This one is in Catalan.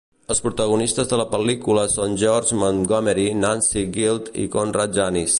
Els protagonistes de la pel·lícula són George Montgomery, Nancy Guild i Conrad Janis.